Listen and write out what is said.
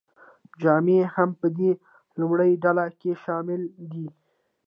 جامې هم په دې لومړۍ ډله کې شاملې دي.